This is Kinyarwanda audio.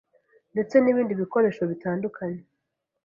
ndetse n’ibindi bikoresho bitandukanye.”